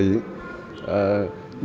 cảm ơn các bạn